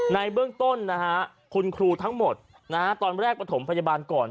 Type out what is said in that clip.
ในเบื้องต้นคุณครูทั้งหมดตอนแรกประถมพยาบาลก่อน